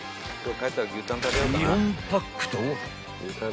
［４パックと］